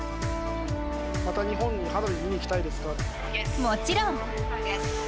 また日本に花火見に来たいでもちろん。